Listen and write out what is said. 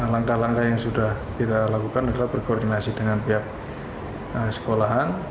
langkah langkah yang sudah kita lakukan adalah berkoordinasi dengan pihak sekolahan